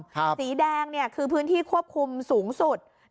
สีแดงเนี่ยคือพื้นที่ควบคุมสูงสุด